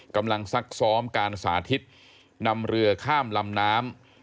ซักซ้อมการสาธิตนำเรือข้ามลำน้ำ